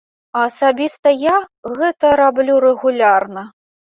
Асабіста я гэта раблю рэгулярна.